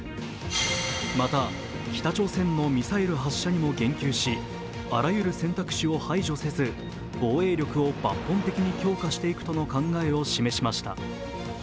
また、北朝鮮のミサイル発射にも言及しあらゆる選択肢を排除せず防衛力を抜本的に強化していくとの考えを表明しました。